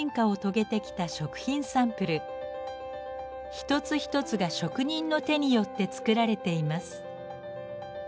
一つ一つが職人の手によって作られています。